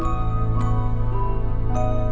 ya aku mau makan